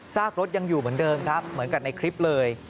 กรถยังอยู่เหมือนเดิมครับเหมือนกับในคลิปเลย